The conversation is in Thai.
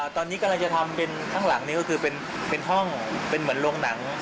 ตอนนี้กำลังจะทำเป็นข้างหลังนี้ก็คือเป็นห้องเป็นเหมือนโรงหนัง